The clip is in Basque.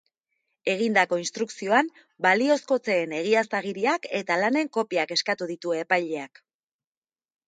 Egindako instrukzioan baliozkotzeen egiaztagiriak eta lanen kopiak eskatu ditu epaileak.